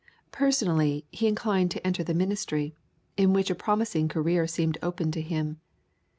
Personally, he inclined to enter the ministry, in which a promising career seemed open to him.